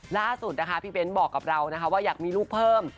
ล่าสุดนะคะพี่เบ้นบอกกับเรานะคะว่าอยากมีลูกเพิ่ม